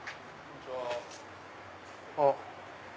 あっ。